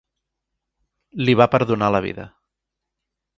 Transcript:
Li va perdonar la vida.